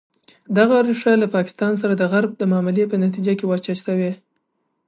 دغه ریښه له پاکستان سره د غرب د معاملې په نتیجه کې وچه شوې.